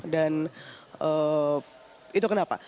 dan itu kenapa